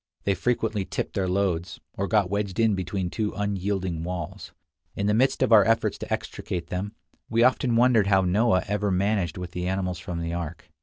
They frequently tipped their loads, or got wedged in between two unyielding walls. In the midst of our efforts to extricate them, we often wondered how Noah ever managed with the animals from the ark.